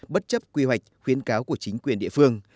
bất chấp quy hoạch khuyến cáo của chính quyền địa phương